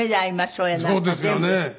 そうですよね。